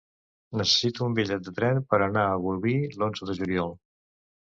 Necessito un bitllet de tren per anar a Bolvir l'onze de juliol.